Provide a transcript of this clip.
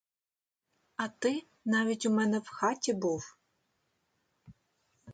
А ти навіть у мене в хаті був.